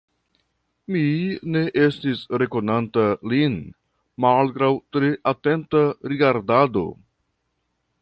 Mi ne estis rekonanta lin, malgraŭ tre atenta rigardado.